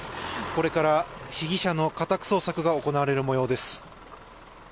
これから被疑者の家宅捜索が行われる模様です。